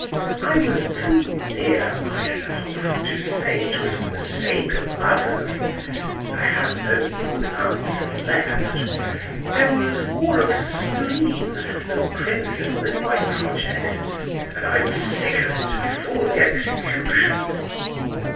—I was too near myself to say it was for the sake of others.—I had no good answer left;—there was more of spleen than principle in my project, and I was sick of it before the execution.